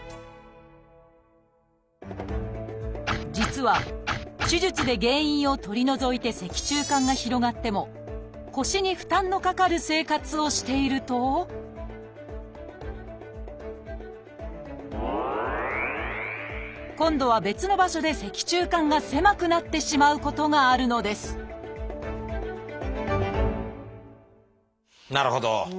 実は手術で原因を取り除いて脊柱管が広がっても腰に負担のかかる生活をしていると今度は別の場所で脊柱管が狭くなってしまうことがあるのですなるほど！